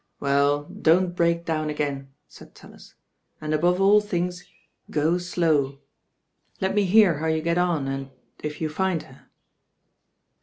"WeU, don't break down again," saidTaUis, "and above all things go slow. Let me hear how you get on and— if you find her."